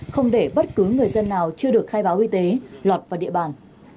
không để bất cứ người dân nào chưa được khai báo y tế lọt vào địa bàn